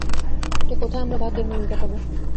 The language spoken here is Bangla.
তো, কোথায় আমরা ভাগ্যের মণিটা পাব?